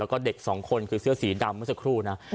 แล้วก็เด็กสองคนคือเสื้อสีดำเมื่อสักครู่นะ